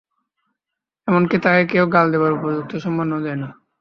এমন-কি, তাকে কেউ গাল দেবার উপযুক্ত সম্মানও দেয় না।